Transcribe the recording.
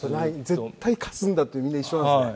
絶対勝つんだっていうみんな一緒なんですね。